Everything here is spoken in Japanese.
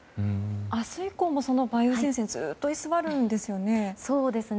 明日以降も、その梅雨前線ずっと居座るんですよね。